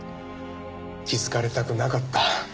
気づかれたくなかった。